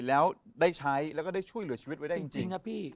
แล้วได้ใช้แล้วก็ได้ช่วยเหลือชีวิตไว้ได้จริงนะพี่